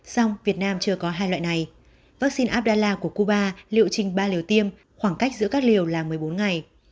song việt nam chưa có hai loại này vaccine abdallah của cuba liệu trình ba liều tiêm khoảng cách giữa các liều là một mươi bốn ngày